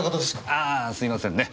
あすいませんね。